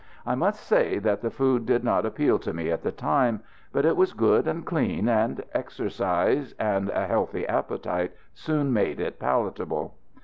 I must say that the food did not appeal to me at the time, but it was good and clean, and exercise and a healthy appetite soon made it palatable.